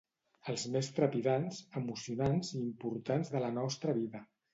Els més trepidants, emocionants i importants de la nostra vida.